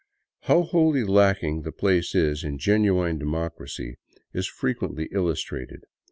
How wholly lacking the place is in genuine democracy is frequently illustrated.